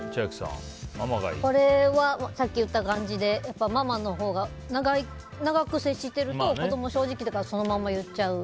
これはさっき言った感じでママのほうが長く接してると子供は正直だからそのまんま言っちゃう。